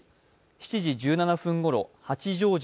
７時１７分ごろ八丈島